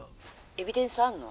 「エビデンスあるの？」。